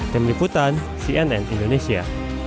demi putan cnn indonesia